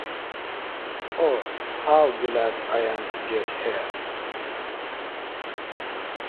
Oh, how glad I am to get here!